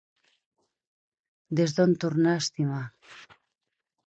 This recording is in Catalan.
Des d’on tornar a estimar